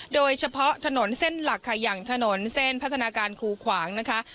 โดยเฉพาะถนนเส้นหลักค่ะอย่างถนนเส้นพัฒนาการคูขวางนะคะ